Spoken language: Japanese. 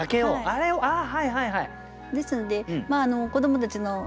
あれをああはいはいはい。